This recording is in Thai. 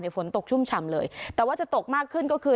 ฝนตกชุ่มฉ่ำเลยแต่ว่าจะตกมากขึ้นก็คือ